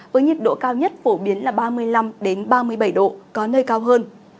với nhiệt độ cao nhất phổ biến là ba mươi năm ba mươi bảy độ có nơi cao hơn